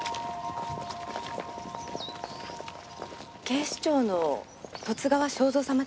警視庁の十津川省三様ですね？